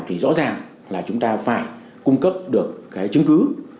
thì rõ ràng là chúng ta phải cung cấp được cái chứng cứ